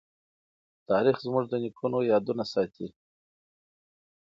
تاريخ زموږ د نيکونو يادونه ساتي.